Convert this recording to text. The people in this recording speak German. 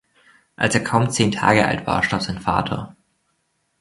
Als er kaum zehn Tage alt war starb sein Vater.